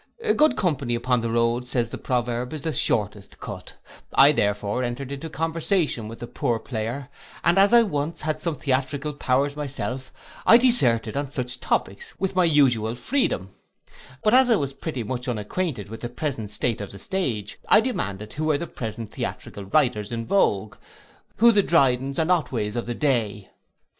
Good company upon the road, says the proverb, is the shortest cut, I therefore entered into conversation with the poor player; and as I once had some theatrical powers myself, I disserted on such topics with my usual freedom: but as I was pretty much unacquainted with the present state of the stage, I demanded who were the present theatrical writers in vogue, who the Drydens and Otways of the day.